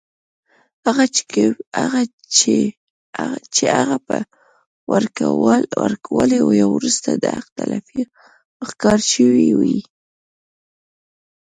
چې هغه پۀ وړوکوالي يا وروستو د حق تلفۍ ښکار شوي وي